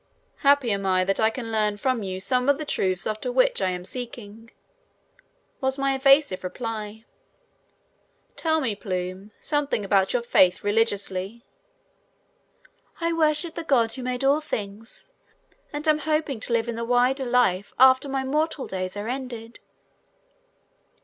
"Happy am I that I can learn from you some of the truths after which I am seeking," was my evasive reply. "Tell me, Plume, something about your faith religiously." "I worship the God who made all things and am hoping to live in the wider life after my mortal days are ended."